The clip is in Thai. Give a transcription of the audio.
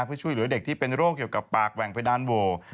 เพื่อช่วยเหลือเด็กที่เป็นโรคเกี่ยวกับปากแหว่งเพดานโว